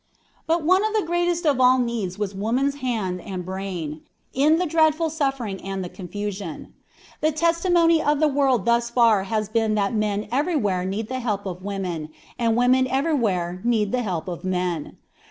But one of the greatest of all needs was woman's hand and brain, in the dreadful suffering and the confusion. The testimony of the world thus far has been that men everywhere need the help of women, and women everywhere need the help of men.